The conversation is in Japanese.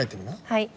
はい。